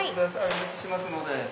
お持ちしますので。